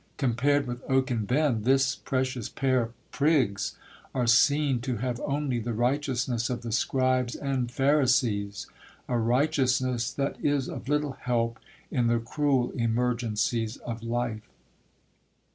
Compared with Oak and Venn, this precious pair of prigs are seen to have only the righteousness of the Scribes and Pharisees; a righteousness that is of little help in the cruel emergencies of life.